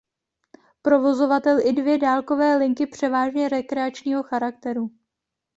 Provozoval i dvě dálkové linky převážně rekreačního charakteru.